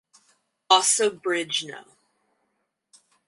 Also bridge no.